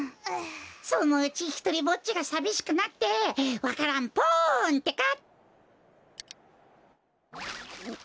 そのうちひとりぼっちがさびしくなってわか蘭ポンってか！